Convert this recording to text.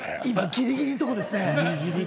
今ギリギリのとこですね。